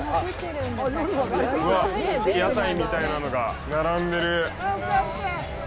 うわっ、屋台みたいなのが並んでる。